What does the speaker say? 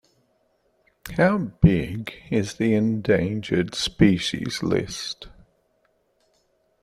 How big is the Endangered Species List?